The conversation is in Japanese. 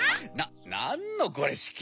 なんのこれしき！